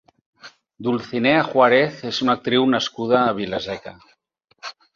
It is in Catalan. Dulcinea Juárez és una actriu nascuda a Vila-seca.